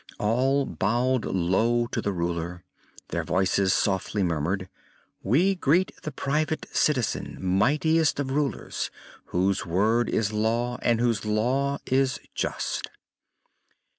All bowed low to the Ruler. Their voices softly murmured: "We greet the Private Citizen, mightiest of Rulers, whose word is Law and whose Law is just."